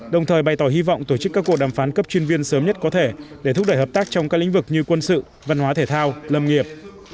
đồng thời bày tỏ hy vọng tổ chức các cuộc đàm phán cấp chuyên viên sớm nhất có thể để thúc đẩy hợp tác trong các lĩnh vực như quân sự văn hóa thể thao lâm nghiệp